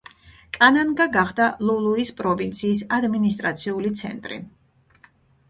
კანანგა გახდა ლულუის პროვინციის ადმინისტრაციული ცენტრი.